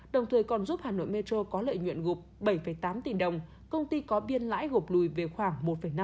đồng thời còn giúp hà nội metro có lợi nhuận gộp bảy tám tỷ đồng công ty có biên lãi gộp lùi về khoảng một năm